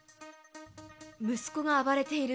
息子が暴れている。